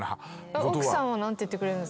奥さんは何て言ってくれるんですか？